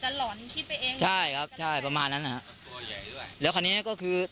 หล่อนคิดไปเองใช่ครับใช่ประมาณนั้นนะฮะแล้วคราวนี้ก็คือ